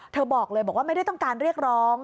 บอกเลยบอกว่าไม่ได้ต้องการเรียกร้อง